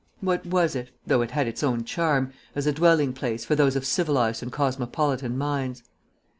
What was it (though it had its own charm) as a dwelling place for those of civilised and cosmopolitan minds?